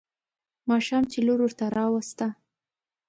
ماښام چې لور ورته راوسته.